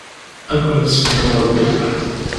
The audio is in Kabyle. Ad ken-isellem Rebbi.